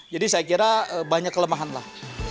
jadi saya kira banyak kelemahan lah